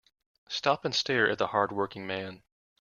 Stop and stare at the hard working man.